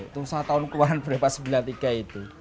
tusa tahun keluaran berapa sembilan puluh tiga itu